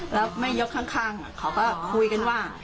แล้วแม่ยกข้างเขาก็คุยกันว่า